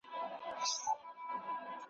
چا بچي غېږ کي نیول کراروله ,